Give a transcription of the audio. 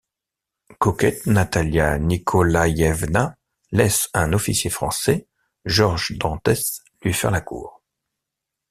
Coquette, Natalia Nikolaïevna laisse un officier français, Georges d'Anthès, lui faire la cour.